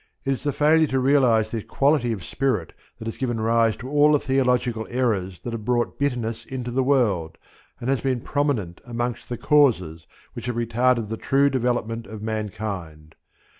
It is the failure to realize this quality of spirit that has given rise to all the theological errors that have brought bitterness into the world and has been prominent amongst the causes which have retarded the true development of mankind.